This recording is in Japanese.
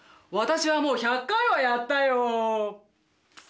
私はもう１００回はやったよ」。